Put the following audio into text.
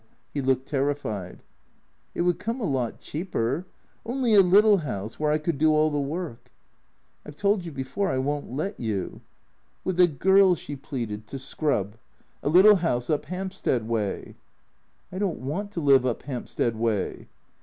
He looked terrified. " It would come a lot cheaper. Only a little house, where I could do all the work." " I 've told you before I won't let you." " With a girl," she pleaded, " to scrub. A little house up Hampstead way." " I don't want to live up Hampstead way."